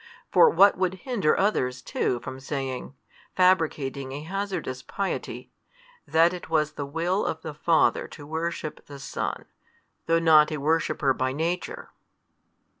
For what would hinder others too from saying, fabricating a hazardous piety, that it was the will of the Father to worship the Son, though not a worshipper by Nature?